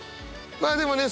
まあでもね